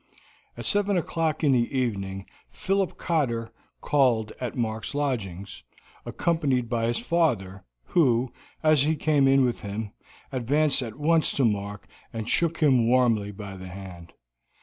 At seven o'clock in the evening Philip Cotter called at Mark's lodgings, accompanied by his father, who, as he came in with him, advanced at once to Mark and shook him warmly by the hand.